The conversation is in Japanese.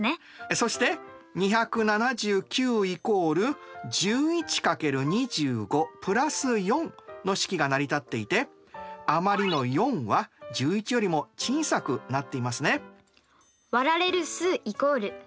そして２７９＝１１×２５＋４の式が成り立っていて余りの４は１１よりも小さくなっていますね。